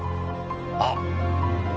あっ！